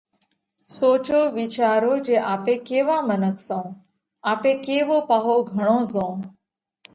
سوچو وِيچارو جي آپي ڪيوا منک سون؟ آپي ڪيوو پاهو گھڻو زوئونه؟